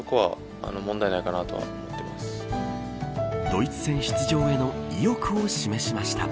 ドイツ戦出場への意欲を示しました。